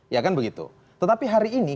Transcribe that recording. ya kan begitu tetapi hari ini